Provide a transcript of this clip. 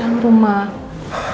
lalu kita berdua kembali ke rumah